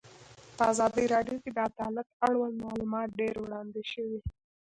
په ازادي راډیو کې د عدالت اړوند معلومات ډېر وړاندې شوي.